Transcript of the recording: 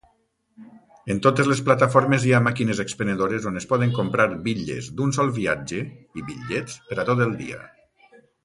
En totes les plataformes hi ha màquines expenedores on es poden comprar bitlles d'un sol viatge i bitllets per a tot el dia.